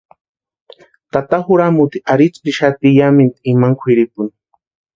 Tata juramuti arhitsʼïkpexati yámintu imani kwʼiripuni.